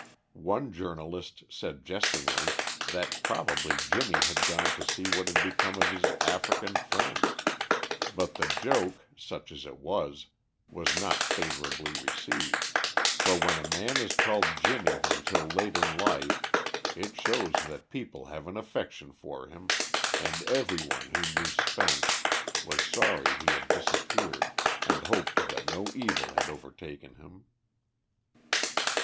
One journalist said jestingly that probably Jimmy had gone to see what had become of his African friend; but the joke, such as it was, was not favourably received, for when a man is called Jimmy until late in life, it shows that people have an affection for him, and every one who knew Spence was sorry he had disappeared, and hoped that no evil had overtaken him.